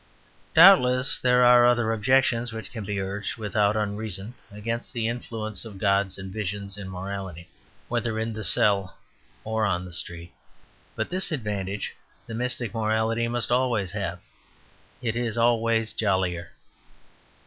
Doubtless there are other objections which can be urged without unreason against the influence of gods and visions in morality, whether in the cell or street. But this advantage the mystic morality must always have it is always jollier.